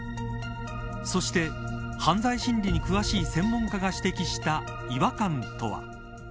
そして、犯罪心理に詳しい専門家が指摘した違和感とは。